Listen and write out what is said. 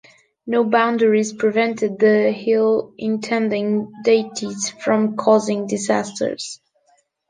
No boundaries prevented the ill-intending deities from causing disasters.